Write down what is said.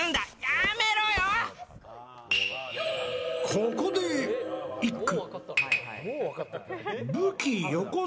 ここで一句。